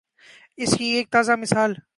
اس کی ایک تازہ مثال